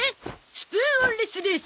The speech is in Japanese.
スプーン・オンレス・レース。